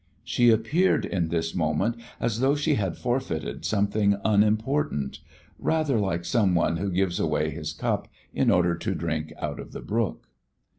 She appeared in this moment as though she had forfeited something unimportant, rather like someone who gives away his cup in order to drink out of the brook.